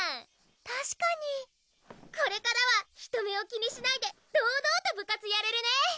たしかにこれからは人目を気にしないで堂々と部活やれるね！